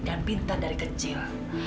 dan pintar dari kecil